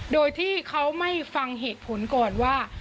โดยที่เขาไม่ฟังเหตุผลก่อนว่า